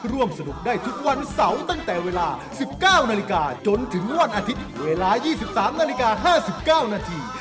ร่วมสนุกได้ทุกวันเสาร์ตั้งแต่เวลา๑๙นาฬิกาจนถึงวันอาทิตย์เวลา๒๓นาฬิกา๕๙นาที